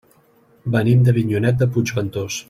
Venim d'Avinyonet de Puigventós.